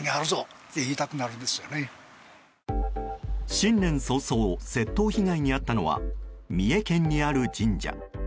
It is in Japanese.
新年早々窃盗被害に遭ったのは三重県にある神社。